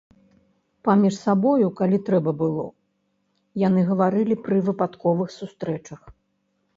Паміж сабою, калі трэба было, яны гаварылі пры выпадковых сустрэчах.